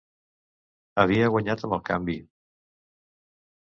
Havia guanyat amb el canvi!